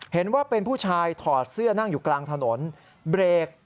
เห็นว่าเป็นผู้ชายถอดเสื้อนั่งอยู่กลางถนนเบรก